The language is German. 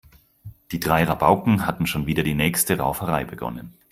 Die drei Rabauken hatten schon wieder die nächste Rauferei begonnen.